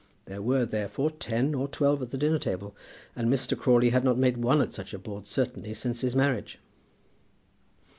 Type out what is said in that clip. There were, therefore, ten or twelve at the dinner table, and Mr. Crawley had not made one at such a board certainly since his marriage.